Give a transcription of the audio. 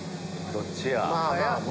どっちや？